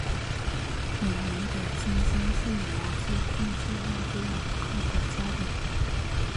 每年的青森睡魔祭更是外地游客的焦点。